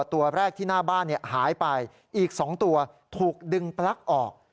ตัวแรกที่หน้าบ้านหายไปอีก๒ตัวถูกดึงปลั๊กออก